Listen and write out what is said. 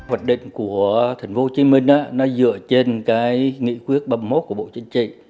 vật định của thành phố hồ chí minh nó dựa trên cái nghị quyết ba mươi một của bộ chính trị